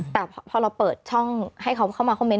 แต่พอเราเปิดช่องให้เขาเข้ามาคอมเมน